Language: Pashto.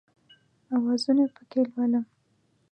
اوازونه پکښې لولم